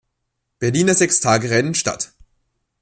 Berliner Sechstagerennen statt.